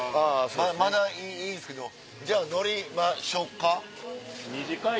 まだいいですけどじゃあ乗りましょうか。